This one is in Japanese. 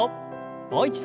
もう一度。